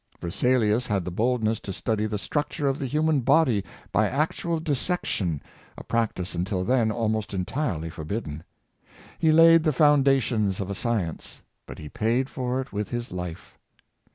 Versalius had the boldness to study the structure of the human body by actual dissection, a practice until then almost entirely forbidden. He laid the foundations of a science, but he paid for it with his life.